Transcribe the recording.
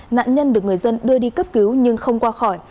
nạn nhân được người dân đưa đi cấp cứu nhưng không qua khỏi